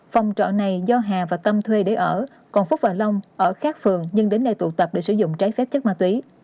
phòng trọ này do hà và tâm thuê để ở còn phúc và long ở khác phường nhưng đến nay tụ tập để sử dụng trái phép chất ma túy